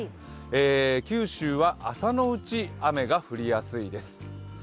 九州は朝のうち雨が降りやすいです。